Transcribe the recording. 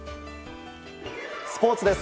スポーツです。